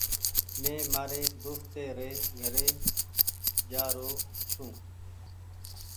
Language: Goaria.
مين مآري دوستي ري گھري جآ رو ڇون۔